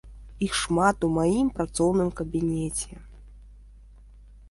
Іх шмат у маім працоўным кабінеце.